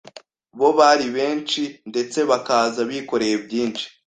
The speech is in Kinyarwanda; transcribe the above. bo bari benshi ndetse bakaza bikoreye byinshi